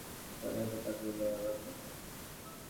সন্ন্যাসীর টাকাকড়ি লওয়া বা থাকা নিষিদ্ধ।